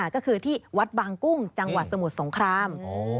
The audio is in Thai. ก็คือที่วัดบางกุ้งจังหวัดสมุทรสงคราม